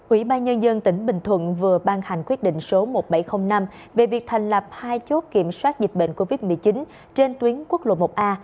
ủy ban nhân dân tỉnh bình thuận vừa ban hành quyết định số một nghìn bảy trăm linh năm về việc thành lập hai chốt kiểm soát dịch bệnh covid một mươi chín trên tuyến quốc lộ một a